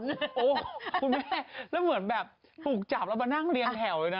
โอ้โหคุณแม่แล้วเหมือนแบบถูกจับแล้วมานั่งเรียงแถวเลยนะ